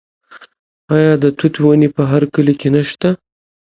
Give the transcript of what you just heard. آیا د توت ونې په هر کلي کې نشته؟